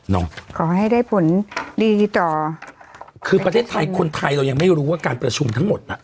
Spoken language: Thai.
ขอให้ได้ผลดีต่อคือประเทศไทยคนไทยเรายังไม่รู้ว่าการประชุมทั้งหมดน่ะ